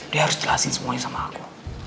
dia harus jelasin semuanya sama aku